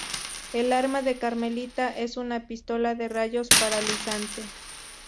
El arma de Carmelita es una pistola de rayos paralizante.